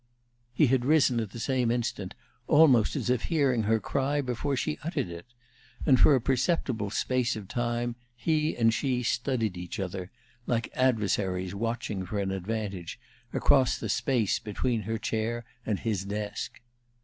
He had risen at the same instant, almost as if hearing her cry before she uttered it; and for a perceptible space of time he and she studied each other, like adversaries watching for an advantage, across the space between her chair and his desk.